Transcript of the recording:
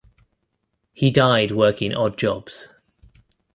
He died working odd jobs.